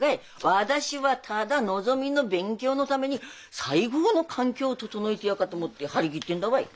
私はただのぞみの勉強のために最高の環境を整えてやっかと思って張り切ってんだわい。